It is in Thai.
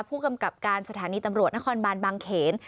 ผู้กำกับการสถานีตำรวจนครบานบางเขน